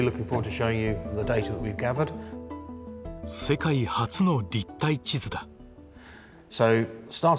世界初の立体地図だ。